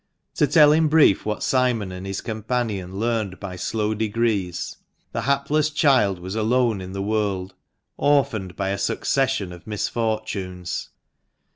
To tell in brief what Simon and his companion learned by slow degrees — the hapless child was alone in the world, orphaned by a succession of misfortunes.